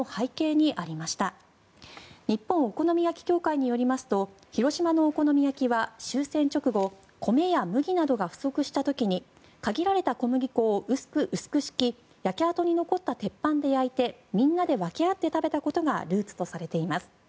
にっぽんお好み焼き協会によりますと広島のお好み焼きは終戦直後米や麦などが不足した時に限られた小麦粉を薄く敷き焼け跡に残った鉄板で焼いてみんなで分け合って食べたことがルーツとされています。